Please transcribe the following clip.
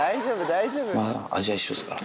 まあ、味は一緒ですから。